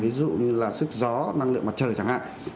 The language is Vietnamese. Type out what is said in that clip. ví dụ như là sức gió năng lượng mặt trời chẳng hạn